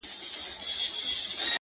دغه اوږده شپه تر سهاره څنگه تېره كړمه ،